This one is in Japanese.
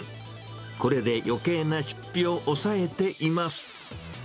これでよけいな出費を抑えています。